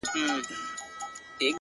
په زړه يې هر نقش سوی تور د قرآن وځي-